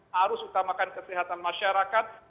harus utamakan kesehatan masyarakat